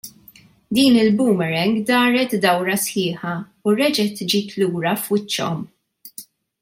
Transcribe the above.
Din il-boomerang daret dawra sħiħa u reġgħet ġiet lura f'wiċċhom!